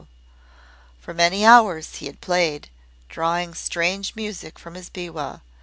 For many hours he had played, drawing strange music from his biwa.